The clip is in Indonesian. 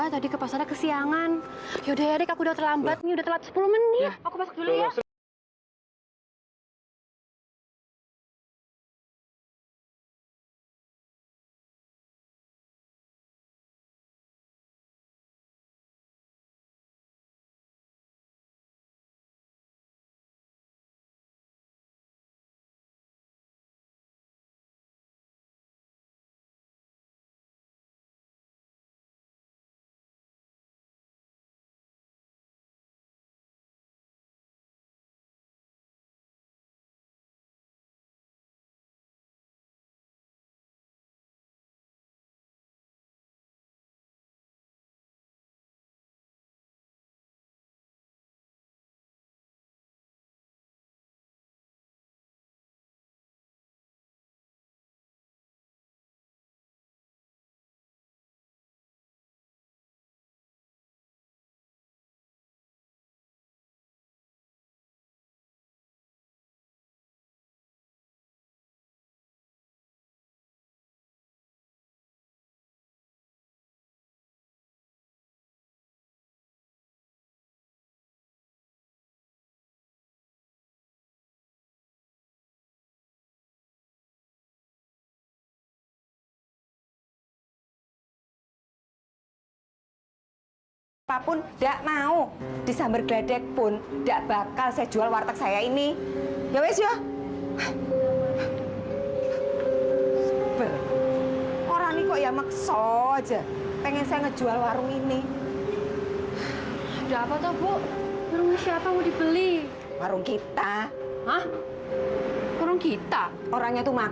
sampai jumpa di video selanjutnya